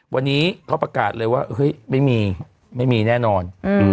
วันนี้เขาประกาศเลยว่าเฮ้ยไม่มีไม่มีแน่นอน